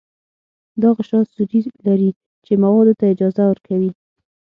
دا غشا سوري لري چې موادو ته اجازه ورکوي.